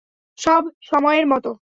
সব সময়ের মতো।